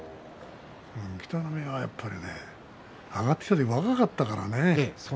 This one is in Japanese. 北の湖はやっぱりね上がってきた時は若かったからね。